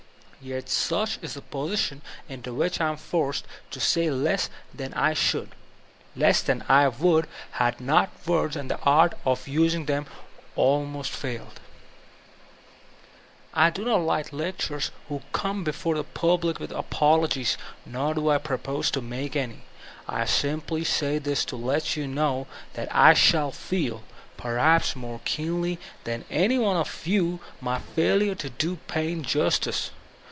Yet such is the position into which I am forced, — ^to say less than I should, less than I would had not words and the art of using them almost failed me. I do not like lecturers who come before the public with apologies, nor do I propose to make any; I simply say thb to let you know that I shall feel, perhaps more keenly thto any of you, my failure to do Paine justice.